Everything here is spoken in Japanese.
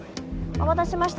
お待たせしました。